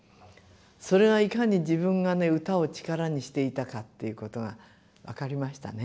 それがいかに自分がね歌を力にしていたかっていうことが分かりましたね